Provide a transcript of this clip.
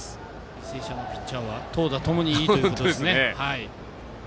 履正社のピッチャーは投打ともにいいということですね。